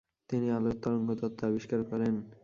তিনি আলোর তরঙ্গ তত্ত্ব আবিষ্কার করেন।